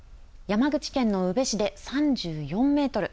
山口県の宇部市で３４メートル。